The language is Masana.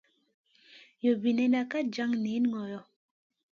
Robinena ka jan niyna goyo.